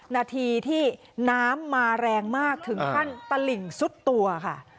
นาทีที่น้ำมาแรงมากถึงขั้นตลิ่งสุดตัวค่ะ